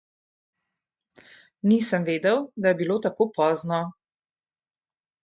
Nisem vedel, da je bilo tako pozno.